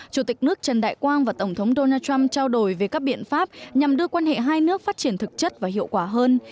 chủ tịch nước trần đại quang và tổng thống donald trump trao đổi về các biện pháp nhằm đưa quan hệ hai nước phát triển thực chất và hiệu quả hơn